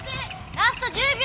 ラスト１０秒！